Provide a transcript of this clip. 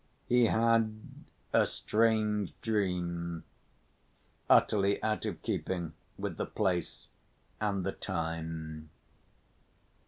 He had a strange dream, utterly out of keeping with the place and the time.